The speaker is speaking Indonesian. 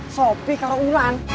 sopi kalau ulan